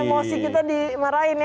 emosi kita dimarahin ya